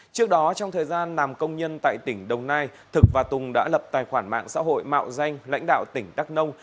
trước đó trong thời gian làm công nhân tại tỉnh đồng nai thực và tùng đã lập tài khoản mạng xã hội mạo danh lãnh đạo tỉnh đắk nông